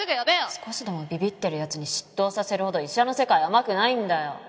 少しでもビビってる奴に執刀させるほど医者の世界甘くないんだよ。